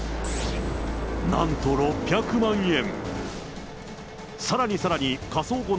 なんと６００万円。